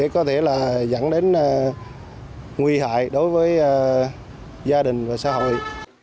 có thể là dẫn đến nguy hại đối với gia đình và xã hội